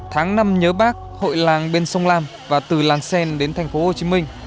tháng năm nhớ bác hội làng bên sông lam và từ làng xen đến tp hcm